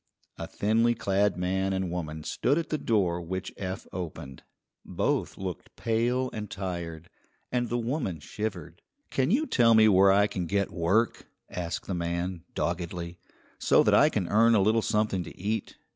A thinly clad man and woman stood at the door which Eph opened. Both looked pale and tired, and the woman shivered. "Can you tell me where I can get work," asked the man, doggedly, "so that I can earn a little something to eat?